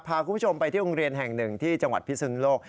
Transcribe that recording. พาคุณผู้ชมไปที่โรงเรียนแห่งหนึ่งที่จังหวัดพิสุนโลก